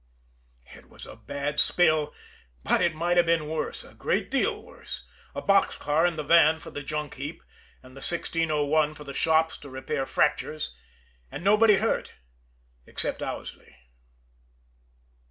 It was a bad spill, but it might have been worse, a great deal worse a box car and the van for the junk heap, and the 1601 for the shops to repair fractures and nobody hurt except Owsley.